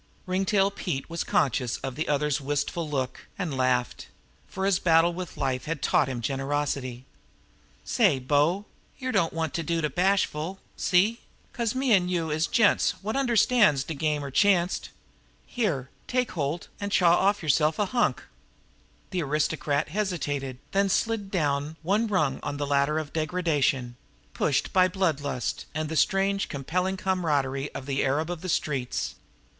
Ringtail Pete was conscious of the other's wistful look, and laughed; for his battle with life had taught him generosity. "Say, bo, yer don't want to do de bashful see? 'cause me 'n' you is gents what understands de game er chanst. Here take holt an' chaw yerse'f off a hunk!" The aristocrat hesitated, then slid down one rung on the ladder of degradation pushed by blood lust and by the strange compelling camaraderie of an arab of the streets.